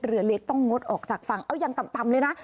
เรือเล็กต้องงดออกจากฝั่งเอายังต่ำเลยนะ